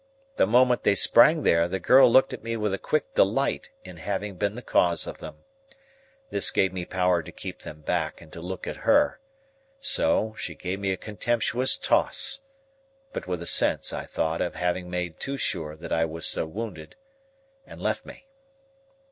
The moment they sprang there, the girl looked at me with a quick delight in having been the cause of them. This gave me power to keep them back and to look at her: so, she gave a contemptuous toss—but with a sense, I thought, of having made too sure that I was so wounded—and left me.